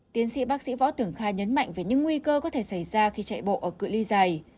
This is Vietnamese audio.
tiến sĩ bác sĩ võ tưởng khá nhấn mạnh về những nguy cơ có thể xảy ra khi chạy bộ ở cửa ly dài